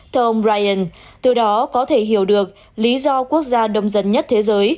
thưa ông ryan từ đó có thể hiểu được lý do quốc gia đông dân nhất thế giới